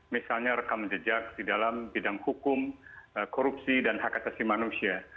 misalnya rekam jejak di dalam bidang hukum korupsi dan hak asasi manusia